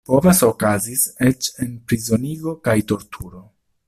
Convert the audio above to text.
Povas okazis eĉ enprizonigo kaj torturo.